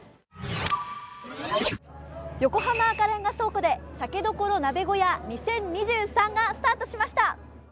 横浜赤レンガ倉庫で酒処鍋小屋２０２３がスタートしました。